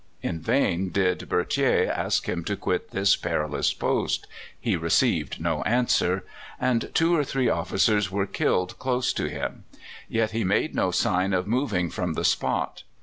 In vain did Berthier ask him to quit this perilous post he received no answer and two or three officers were killed close to him; yet he made no sign of moving from the spot.